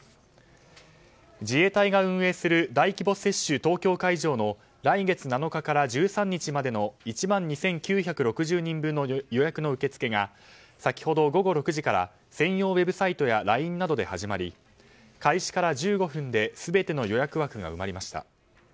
自衛隊が運営する大規模接種東京会場の来月７日から１３日までの１万２９６０人分の予約の受付が先ほど午後６時から専用ウェブサイトやＬＩＮＥなどで始まり開始から１５分で全ての予約枠が埋まりました。